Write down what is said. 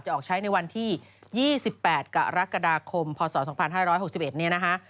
ออกใช้ในวันที่๒๘กรกฎาคมพศ๒๕๖๑เนี่ยนะคะ